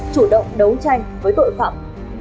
chủ động đấu tranh với tội phạm